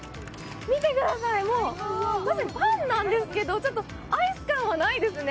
見てください、パンなんですけどちょっとアイス感はないですね